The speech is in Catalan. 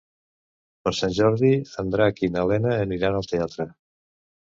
Per Sant Jordi en Drac i na Lena aniran al teatre.